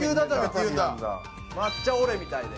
抹茶オレみたい。